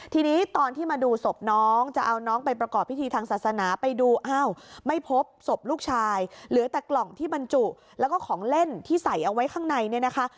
ทีนี้ตอนที่มาดูศพน้องจะเอาน้องไปประกอบพิธีทางศาสนาไปดูอ้าวไม่พบศพลูกชายเหลือแต่กล่องที่บรรจุแล้วก็ของเล่นที่ใส่เอาไว้ข้างในเนี่ยนะคะ